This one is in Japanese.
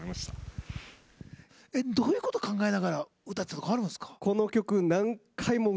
どういうこと考えながら歌ってたとかあるんすか？